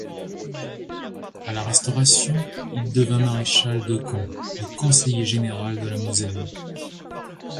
À la Restauration, il devint maréchal de camp et conseiller général de la Moselle.